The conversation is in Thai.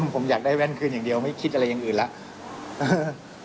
ผมอยากได้แว่นคืนอย่างเดียวไม่คิดอะไรอย่างอื่นแล้ว